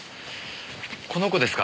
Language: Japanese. この子ですか？